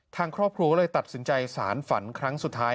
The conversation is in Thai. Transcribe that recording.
ทางครอบครัวเลยตัดสินใจสารฝันครั้งสุดท้าย